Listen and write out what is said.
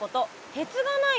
鉄がないと。